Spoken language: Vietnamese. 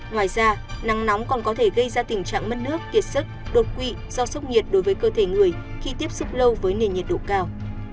ngoài ra nắng nóng còn có thể gây ra tình trạng mất nước kiệt sức đột quỵ do sốc nhiệt đối với cơ thể người khi tiếp xúc lâu với nền nhiệt độ cao